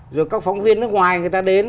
rồi các phóng viên nước ngoài người ta đến